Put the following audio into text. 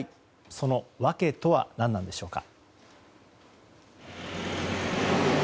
その訳とは何なのでしょうか。